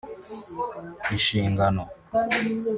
inshingano